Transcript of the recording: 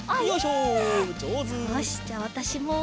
よしじゃあわたしも。